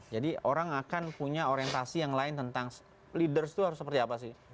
jadi orang akan punya orientasi yang lain tentang leaders itu harus seperti apa sih